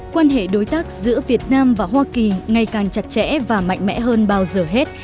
quan hệ đối tác giữa việt nam và hoa kỳ ngày càng chặt chẽ và mạnh mẽ hơn bao giờ hết